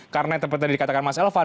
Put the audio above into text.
karena yang terpercaya dikatakan mas elvan